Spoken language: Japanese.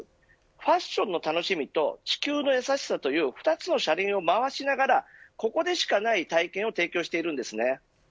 ファッションの楽しみと地球の優しさという２つの車輪を回しながらここでしかない体験を提供しているんですね。